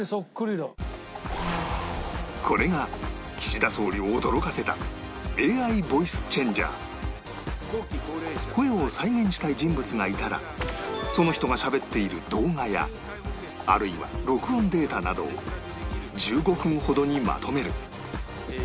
これが岸田総理を驚かせた声を再現したい人物がいたらその人がしゃべっている動画やあるいは録音データなどを１５分ほどにまとめる